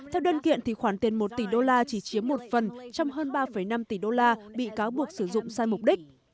theo đơn kiện thì khoản tiền một tỷ đô la chỉ chiếm một phần trong hơn ba năm tỷ đô la bị cáo buộc sử dụng sai mục đích